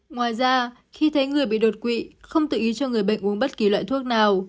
ngoài ra khi thấy người bị đột quỵ không tự ý cho người bệnh uống bất kỳ loại thuốc nào